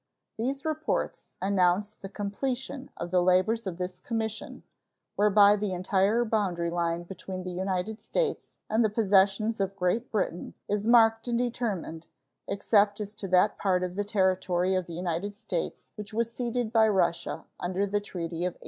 These reports announce the completion of the labors of this commission, whereby the entire boundary line between the United States and the possessions of Great Britain is marked and determined, except as to that part of the territory of the United States which was ceded by Russia under the treaty of 1867.